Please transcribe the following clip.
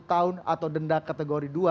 tahun atau denda kategori dua